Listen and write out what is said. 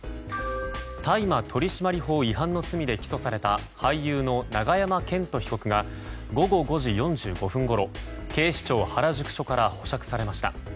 大麻取締法違反の罪で起訴された俳優の永山絢斗被告が午後５時４５分ごろ警視庁原宿署から保釈されました。